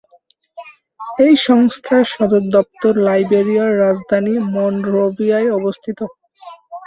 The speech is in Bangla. এই সংস্থার সদর দপ্তর লাইবেরিয়ার রাজধানী মনরোভিয়ায় অবস্থিত।